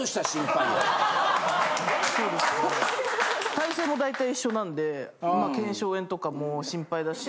体勢も大体一緒なんで。とかも心配だし。